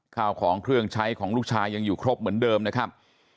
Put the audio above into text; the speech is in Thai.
ข้าวของเครื่องใช้ของลูกชายยังอยู่ครบเหมือนเดิมนะครับ